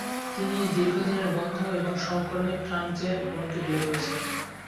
তিনি দীর্ঘদিনের বন্ধু এবং সহকর্মী ফ্রাঙ্ক জে ব্রুনোকে বিয়ে করেছিলেন।